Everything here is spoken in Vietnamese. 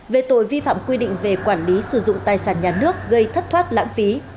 về tội vi phạm quy định về quản lý sử dụng tài sản nhà nước gây thất thoát lãng phí